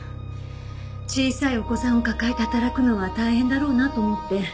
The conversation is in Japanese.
小さいお子さんを抱えて働くのは大変だろうなと思って。